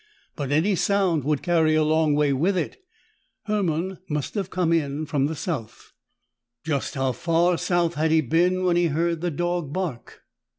But any sound would carry a long way with it. Hermann must have come in from the south. Just how far south had he been when he heard the dog bark?